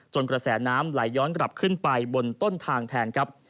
กระแสน้ำไหลย้อนกลับขึ้นไปบนต้นทางแทนครับ